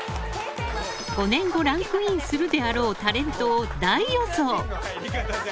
５年後ランクインするであろうタレントを大予想。